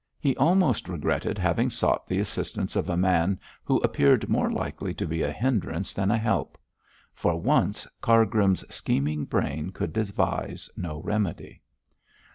He almost regretted having sought the assistance of a man who appeared more likely to be a hindrance than a help. For once, Cargrim's scheming brain could devise no remedy.